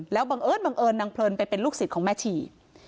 แล้วบังเอิญนางเพลินไปเป็นลูกสิทธิ์ของแม่ที